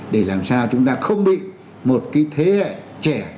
để làm sao chúng ta không bị một cái thế hệ trẻ